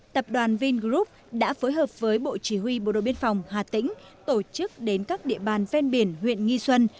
tập đoàn vingroup đã phối hợp với bộ chỉ huy bộ đội biên phòng hà tĩnh tổ chức đến các địa bàn ven biển huyện nghi xuân